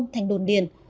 thành đồn điền